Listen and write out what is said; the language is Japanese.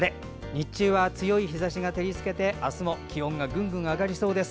日中は強い日ざしが照り付けて明日も気温がぐんぐん上がりそうです。